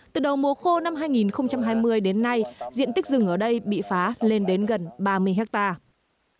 từ đầu mùa khô năm hai nghìn hai mươi đến nay diện tích rừng ở đây bị phá lên đến gần ba mươi hectare